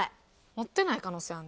持ってない可能性ある。